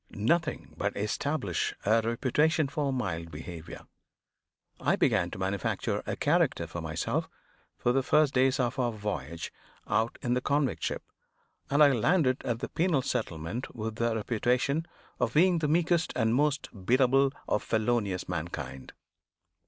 Nothing but establish a reputation for mild behavior. I began to manufacture a character for myself for the first days of our voyage out in the convict ship; and I landed at the penal settlement with the reputation of being the meekest and most biddable of felonious mankind.